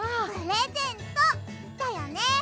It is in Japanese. プレゼントだよね？